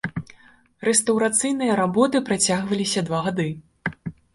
Рэстаўрацыйныя работы працягваліся два гады.